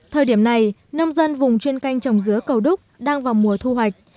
thời điểm này nông dân vùng chuyên canh trồng dứa cầu đúc đang vào mùa thu hoạch